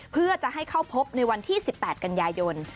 เพื่อจะให้เข้าพบในวันที่๑๘กันยายน